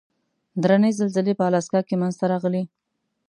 درنې زلزلې په الاسکا کې منځته راغلې.